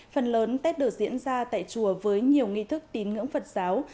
phần lớn tết được diễn ra tại chùa với nhiều nghi thức tín ngưỡng phật giáo